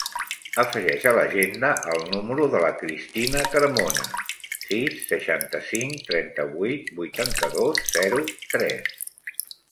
Afegeix a l'agenda el número de la Cristina Carmona: sis, seixanta-cinc, trenta-vuit, vuitanta-dos, zero, tres.